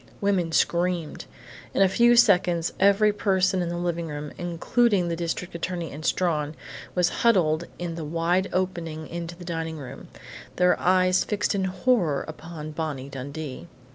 Women screamed. In a few seconds every person in the living room, including the district attorney and Strawn, was huddled in the wide opening into the dining room, their eyes fixed in horror upon Bonnie Dundee.